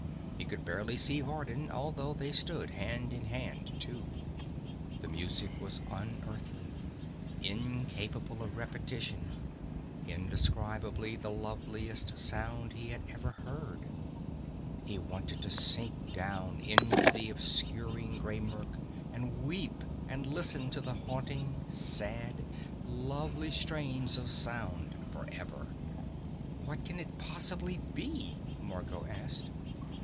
He could barely see Vardin although they stood hand in hand too. The music was un Earthly, incapable of repetition, indescribably the loveliest sound he had ever heard. He wanted to sink down into the obscuring gray murk and weep and listen to the haunting, sad, lovely strains of sound forever. "What can it possibly be?" Margot asked.